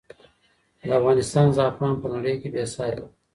د افغانستان زعفران په نړۍ کې بې ساری دی.